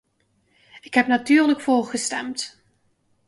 Ik heb natuurlijk voorgestemd.